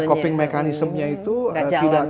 coping mekanismenya itu tidak jalan